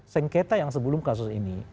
sengketa yang sebelum kasus ini